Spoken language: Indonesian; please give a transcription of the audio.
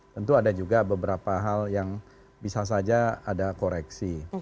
tentu ada juga beberapa hal yang bisa saja ada koreksi